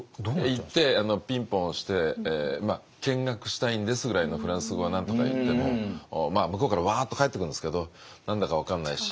行ってピンポン押して「見学したいんです」ぐらいのフランス語はなんとか言っても向こうからワーッと返ってくるんですけど何だか分からないし。